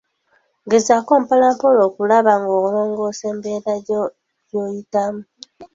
Gezaako mpolampola okulaba ng’olongosa embeera gyoyitamu.